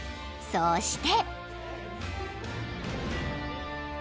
［そして］